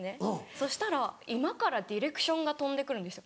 そしたら居間からディレクションが飛んでくるんですよ。